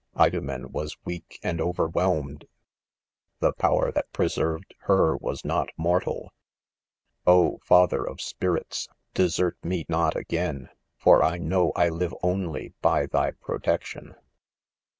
3 "Idomen was weak and overwhelmed; the power that preservedher was not mortal. c Oh ! father of spirits, desert me not again ! for I know I live only by thy protection.